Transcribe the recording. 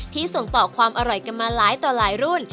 ส่งต่อความอร่อยกันมาหลายต่อหลายรุ่น